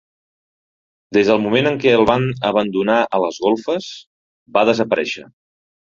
Des del moment en què el van abandonar a les golfes, va desaparèixer.